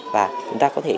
và chúng ta có thể